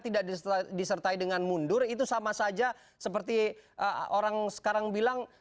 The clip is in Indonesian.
tidak disertai dengan mundur itu sama saja seperti orang sekarang bilang